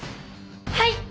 はい！